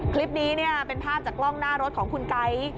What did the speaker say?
คลิปนี้เป็นภาพจากกล้องหน้ารถของคุณไก๊